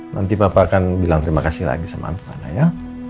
nanti papa akan bilang terima kasih lagi sama bimana ya